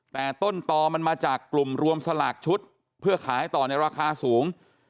แต่ต้นต่อมันมาจากกลุ่มรวมสลากชุดเพื่อขายต่อในราคาสูง